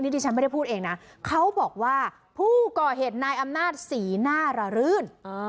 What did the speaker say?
ดิฉันไม่ได้พูดเองนะเขาบอกว่าผู้ก่อเหตุนายอำนาจสีหน้าระรื่น